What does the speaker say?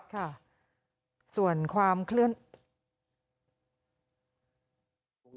ค่ะส่วนความเคลื่อน